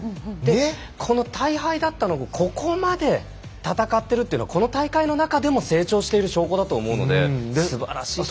この大敗だったのが、ここまで戦っているのはこの大会の中でも成長している証拠だと思うのですばらしいです。